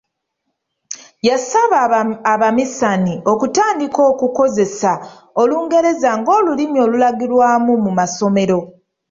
Yasaba Abaminsani okutandika okukozesa olungereza ng’olulimi olulagirwamu mu masomero.